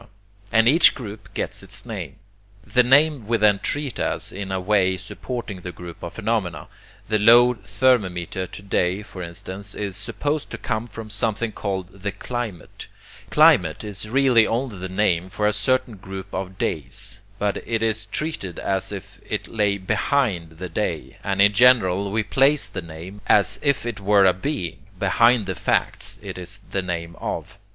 and each group gets its name. The name we then treat as in a way supporting the group of phenomena. The low thermometer to day, for instance, is supposed to come from something called the 'climate.' Climate is really only the name for a certain group of days, but it is treated as if it lay BEHIND the day, and in general we place the name, as if it were a being, behind the facts it is the name of.